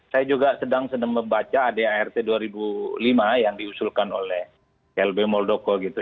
saya juga sedang membaca aad art dua ribu lima yang diusulkan oleh lb moldoko gitu